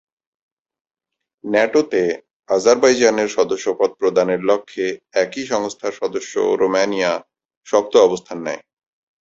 NATO তে, আজারবাইজানের সদস্যপদ প্রদানের লক্ষ্যে, একই সংস্থার সদস্য রোমানিয়া শক্ত অবস্থান নেয়।